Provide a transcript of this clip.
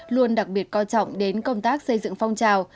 luôn đặc biệt coi trọng đến công tác xây dựng phong trào